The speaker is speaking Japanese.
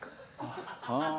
ああ。